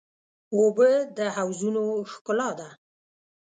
اوبه د حوضونو ښکلا ده.